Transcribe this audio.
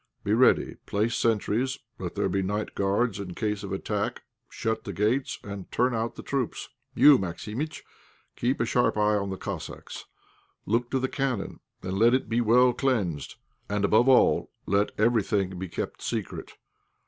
Be ready, place sentries, let there be night patrols in case of attack, shut the gates, and turn out the troops. You, Maximitch, keep a sharp eye on the Cossacks; look to the cannon, and let it be well cleansed; and, above all, let everything be kept secret.